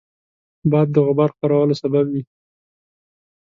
باد د غبار خپرولو سبب وي